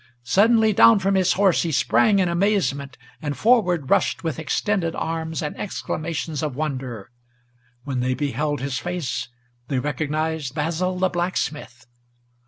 Suddenly down from his horse he sprang in amazement, and forward Rushed with extended arms and exclamations of wonder; When they beheld his face, they recognized Basil the blacksmith.